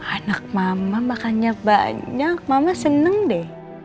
anak mama makannya banyak mama seneng deh